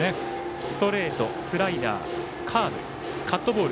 ストレート、スライダーカーブ、カットボール